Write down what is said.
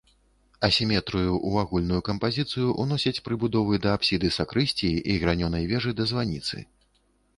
Асіметрыю ў агульную кампазіцыю ўносяць прыбудовы да апсіды сакрысціі і гранёнай вежы да званіцы.